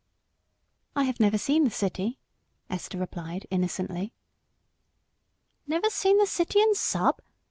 "I have never seen the City," Esther replied innocently. "Never seen the City and Sub!...